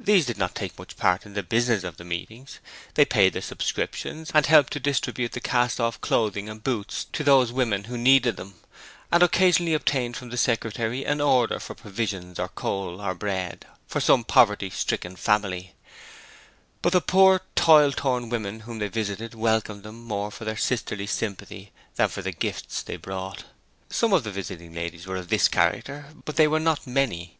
These did not take much part in the business of the meetings; they paid their subscriptions and helped to distribute the cast off clothing and boots to those who needed them, and occasionally obtained from the secretary an order for provisions or coal or bread for some poverty stricken family; but the poor, toil worn women whom they visited welcomed them more for their sisterly sympathy than for the gifts they brought. Some of the visiting ladies were of this character but they were not many.